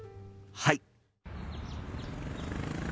はい！